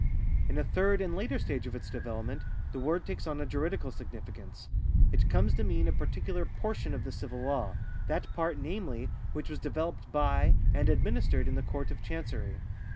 In a third and later stage of its development the word takes on a juridical significance. It comes to mean a particular portion of the civil law — that part, namely, which was developed by and administered in the Court of Chancery.